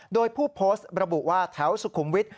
โดยผู้โพสต์ระบุว่าแถวสุขุมวิทย